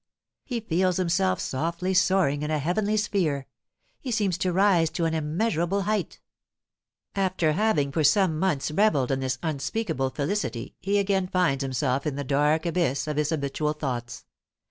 He feels himself softly soaring in a heavenly sphere; he seems to rise to an immeasurable height. ··············· After having for some moments revelled in this unspeakable felicity he again finds himself in the dark abyss of his habitual thoughts.